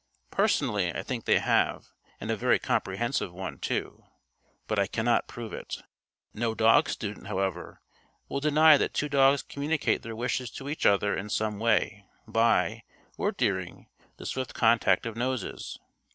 (Personally, I think they have, and a very comprehensive one, too. But I cannot prove it.) No dog student, however, will deny that two dogs communicate their wishes to each other in some way by (or during) the swift contact of noses.